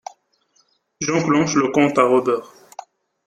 J’enclenche le compte à rebours.